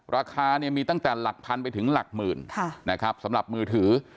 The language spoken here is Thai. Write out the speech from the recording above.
ราคาเนี่ยมีตั้งแต่หลักพันไปถึงหลักหมื่นนะครับสำหรับมือถือ